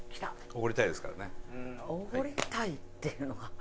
「オゴりたい」っていうのが。